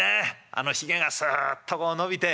あのひげがすっとこう伸びて。